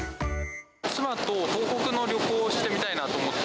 妻と東北の旅行をしてみたいなと思って。